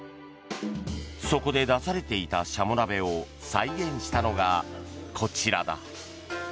そこで出されていたシャモ鍋を再現したのが、こちらだ。